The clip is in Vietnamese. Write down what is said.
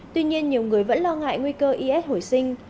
tuy nhiên nhiều người vẫn lo ngại nguy cơ is hồi sinh